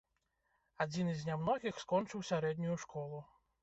Адзіны з нямногіх скончыў сярэднюю школу.